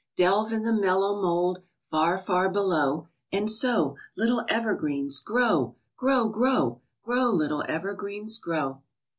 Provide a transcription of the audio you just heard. Delve in the mellow mold, Far, far below, And so, Little evergreens, grow! Grow, grow! Grow, little evergreens, grow!